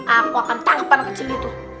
aku akan tangkep anak kecil itu